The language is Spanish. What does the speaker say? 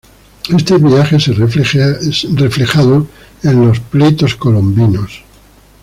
Este viaje se ve reflejado en los "Pleitos Colombinos".